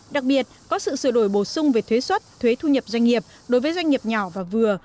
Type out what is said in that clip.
đặc biệt có sự sửa đổi bổ sung về thuế xuất thuế thu nhập doanh nghiệp đối với doanh nghiệp nhỏ và vừa